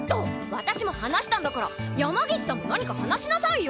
私も話したんだから山岸さんも何か話しなさいよ！